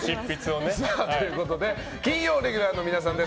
ということで金曜レギュラーの皆さんです。